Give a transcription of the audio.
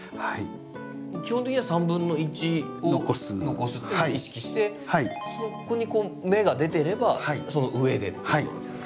基本的には３分の１を残すっていうのを意識してそこに芽が出てればその上でってことなんですか？